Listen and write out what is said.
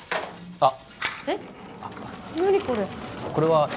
あっ